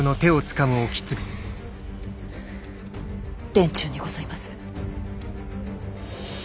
殿中にございます！